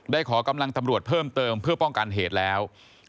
ขอกำลังตำรวจเพิ่มเติมเพื่อป้องกันเหตุแล้ว